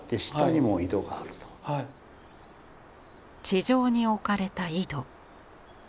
地上に置かれた井戸。